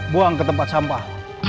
buang ke tempat sampah